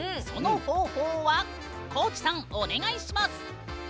その方法は高地さんお願いします！